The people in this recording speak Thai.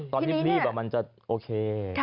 ตอนรีบมันจะโอเค